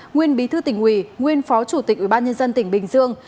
nguyên bí thư tỉnh ủy nguyên phó chủ tịch ủy ban nhân dân tỉnh bình dương